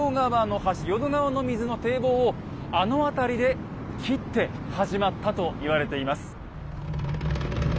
淀川の水の堤防をあの辺りで切って始まったと言われています。